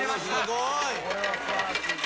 すごいな。